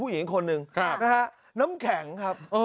ผู้หญิงคนหนึ่งนะฮะน้ำแข็งครับ